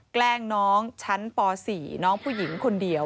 แกล้งน้องชั้นป๔น้องผู้หญิงคนเดียว